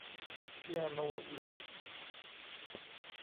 คีอานู รีฟส์